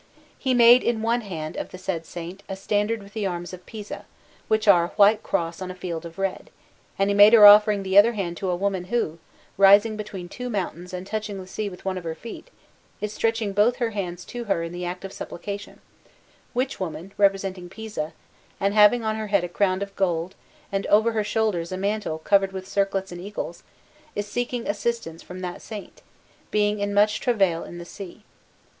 He made in one hand of the said Saint a standard with the arms of Pisa, which are a white cross on a field of red, and he made her offering the other hand to a woman who, rising between two mountains and touching the sea with one of her feet, is stretching both her hands to her in the act of supplication; which woman, representing Pisa, and having on her head a crown of gold and over her shoulders a mantle covered with circlets and eagles, is seeking assistance from that Saint, being much in travail in the sea.